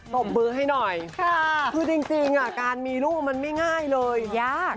บมือให้หน่อยคือจริงการมีลูกมันไม่ง่ายเลยยาก